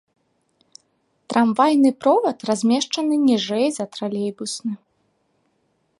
Трамвайны провад размешчаны ніжэй за тралейбусны.